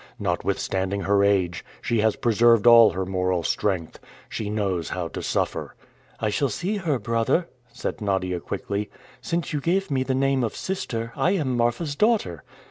Notwithstanding her age, she has preserved all her moral strength. She knows how to suffer." "I shall see her, brother," said Nadia quickly. "Since you give me the name of sister, I am Marfa's daughter."